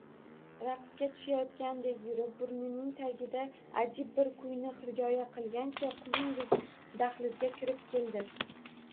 Raqsga tushayotgandek yurib, burnining tagida ajib bir kuyni hirgoyi qilgancha, quyundek dahlizga kirib keldi